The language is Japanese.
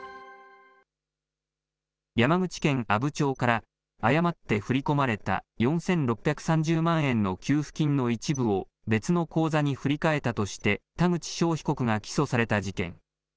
山口県阿武町から、誤って振り込まれた４６３０万円の給付金の一部を別の口座に振り替えたとして、田口翔被告が起訴された事件。